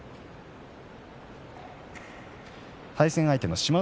対戦相手の志摩ノ